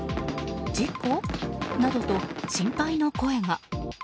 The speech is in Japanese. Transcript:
事故？などと心配の声が。